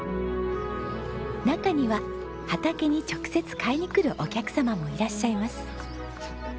中には畑に直接買いに来るお客様もいらっしゃいます。